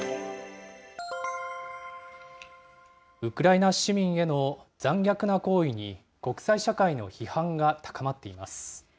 ウクライナ市民への残虐な行為に、国際社会の批判が高まっています。